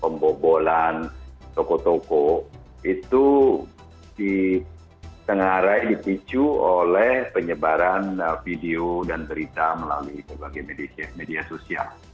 pembobolan tokoh tokoh itu disengarai dipicu oleh penyebaran video dan berita melalui media sosial